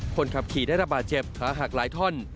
คนขับขี่ได้ระบาดเจ็บขาหักหลายท่อน